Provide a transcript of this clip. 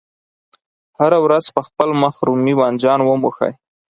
هره ورځ په خپل مخ رومي بانجان وموښئ.